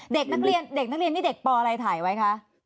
เด็กนักเรียนนี่เด็กป่ออะไรถ่ายไว้คะ